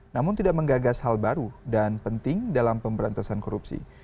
namun tidak menggagas hal baru dan penting dalam pemberantasan korupsi